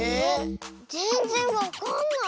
ぜんぜんわかんない。